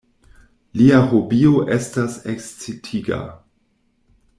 Lia hobio estas ekscitiga.